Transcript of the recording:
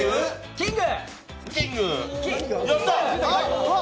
キング！